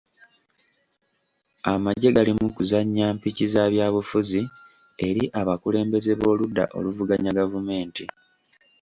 Amagye gali mu kuzannya mpiki za byabufuzi eri abakulembeze b'oludda oluvuganya gavumenti.